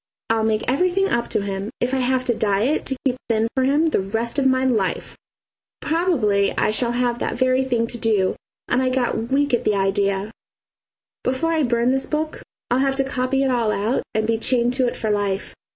I'll make everything up to him, if I have to diet to keep thin for him the rest of my life. Probably I shall have that very thing to do, and I get weak at the idea. Before I burn this book I'll have to copy it all out and be chained to it for life.